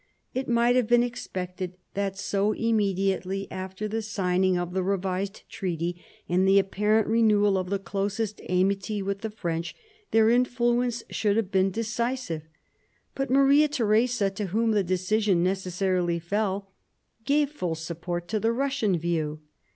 It might have been expected that so immediately after the signing of the revised treaty, and the apparent renewal of the closest amity with the French, their influence would have been decisive; but Maria Theresa, to whom the decision necessarily fell, gave full support to the Russian view.